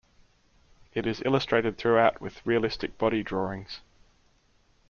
It is illustrated throughout with realistic body drawings.